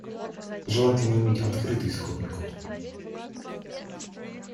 Желательно иметь открытый исходный код